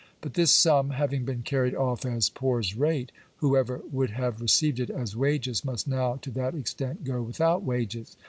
But this sum having been carried off as poors rate, whoever would have re ceived it as wages must now to that extent go without wages.